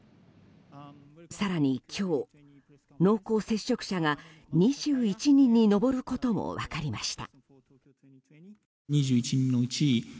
更に今日、濃厚接触者が２１人に上ることも分かりました。